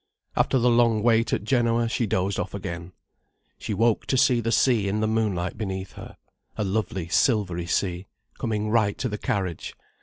After the long wait at Genoa she dozed off again. She woke to see the sea in the moonlight beneath her—a lovely silvery sea, coming right to the carriage.